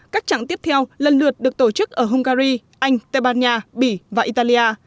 các trạng tiếp theo lần lượt được tổ chức ở hungary anh tây ban nha bỉ và italia